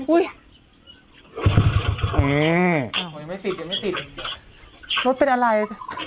อุ๊ยอุ๊ยอืมอ้อหวัยไม่ติดยังไม่ติดรถเป็นอะไร